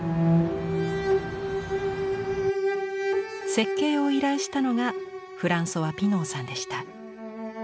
設計を依頼したのがフランソワ・ピノーさんでした。